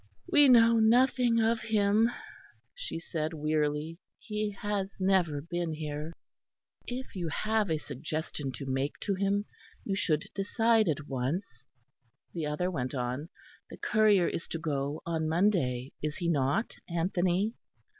"We know nothing of him," she said, wearily, "he has never been here." "If you have a suggestion to make to him you should decide at once," the other went on, "the courier is to go on Monday, is he not, Anthony?"